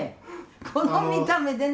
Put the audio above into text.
この見た目でね。